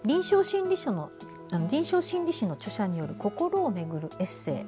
臨床心理士の著者による心をめぐるエッセー。